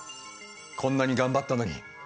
こんなに頑張ったのに。